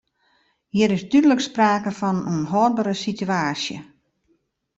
Hjir is dúdlik sprake fan in ûnhâldbere situaasje.